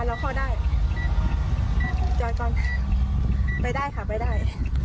เราเข้าได้จอดก่อนไปได้ค่ะไปได้